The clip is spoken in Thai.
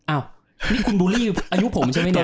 อ้าวนี่คุณบูลลี่อายุผมใช่ไหมเนี่ย